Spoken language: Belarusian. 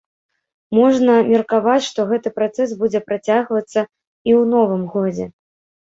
Можна меркаваць, што гэты працэс будзе працягвацца і ў новым годзе.